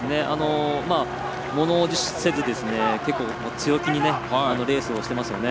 ものおじせず、結構強気にレースをしていますよね。